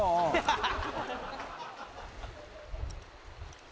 「ハハハ！」